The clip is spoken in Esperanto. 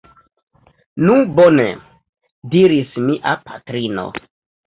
Nu bone! diris mia patrino.